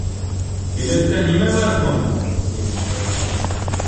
Келәттә нимә бар һуң? - тине Салауат.